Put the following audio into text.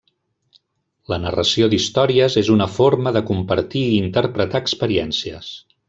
La narració d'històries és una forma de compartir i interpretar experiències.